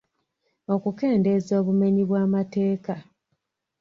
Okukendeeza obumenyi bw’amateeka.